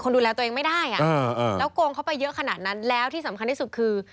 เขากงเข้าไปเยอะขนาดนั้นแล้วที่สำคัญที่สุดคือ